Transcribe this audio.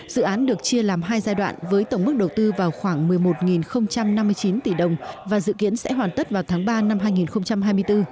dự án được chia làm hai giai đoạn với tổng mức đầu tư vào khoảng một mươi một năm mươi chín tỷ đồng và dự kiến sẽ hoàn tất vào tháng ba năm hai nghìn hai mươi bốn